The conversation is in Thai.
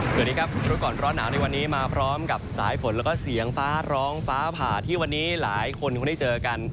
สวัสดีครับรู้ก่อนร้อนหนาวในวันนี้มาพร้อมกับสายฝนแล้วก็เสียงฟ้าร้องฟ้าผ่าที่วันนี้หลายคนคงได้เจอกัน